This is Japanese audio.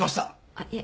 あっいえ。